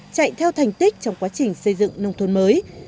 chạy theo thành tích trong quá trình xây dựng nông thôn mới